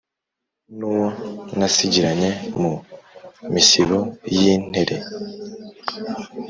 n'uwo nasigiranye mu misibo y'intere,